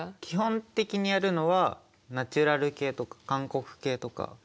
基本的にやるのはナチュラル系とか韓国系とか。